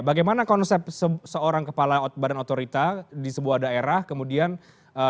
bagaimana konsep seorang kepala badan otorita di sebuah daerah kemudian tidak ada mengatur sebuah